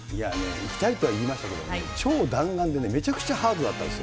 行きたいとは言いましたけどね、超弾丸でね、めちゃくちゃハードだったんですよ。